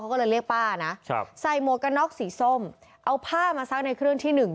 เขาก็เลยเรียกป้านะครับใส่หมวกกันน็อกสีส้มเอาผ้ามาซักในเครื่องที่หนึ่ง